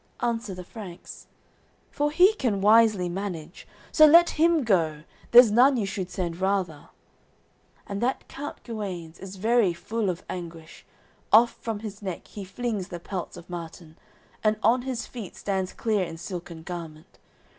Answer the Franks: "For he can wisely manage; So let him go, there's none you should send rather." And that count Guenes is very full of anguish; Off from his neck he flings the pelts of marten, And on his feet stands clear in silken garment.